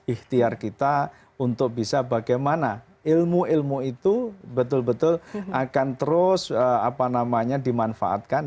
ikhtiar kita untuk bisa bagaimana ilmu ilmu itu betul betul akan terus dimanfaatkan